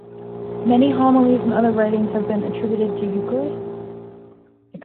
Many homilies and other writings have been attributed to Eucherius.